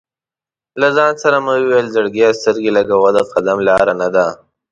له ځان سره مې ویل: "زړګیه سترګې لګوه، د قدم لاره نه ده".